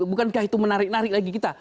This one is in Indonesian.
bukankah itu menarik narik lagi kita